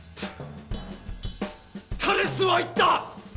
タレスは言った！